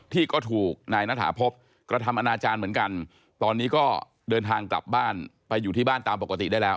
ที่ก็ถูกนายณฐาพบกระทำอนาจารย์เหมือนกันตอนนี้ก็เดินทางกลับบ้านไปอยู่ที่บ้านตามปกติได้แล้ว